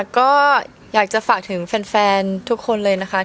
ก็อยากจะฝากถึงแฟนทุกคนเลยนะคะ